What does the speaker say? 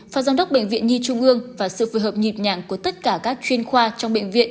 phó giám đốc bệnh viện nhi trung ương và sự phù hợp nhịp nhàng của tất cả các chuyên khoa trong bệnh viện